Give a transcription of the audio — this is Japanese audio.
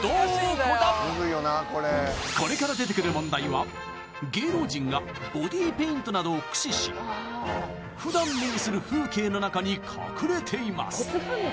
これから出てくる問題は芸能人がボディペイントなどを駆使し普段目にする風景の中に隠れています